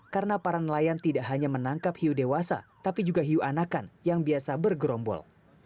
karena para nelayan tidak hanya menangkap iu dewasa tapi juga iu anakan yang biasa bergerombol